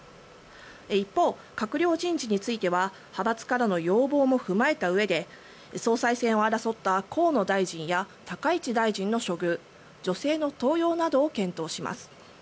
一方、閣僚人事については派閥からの要望も踏まえたうえで総裁選を争った河野大臣や高市大臣の処遇女性の登用などを検討します。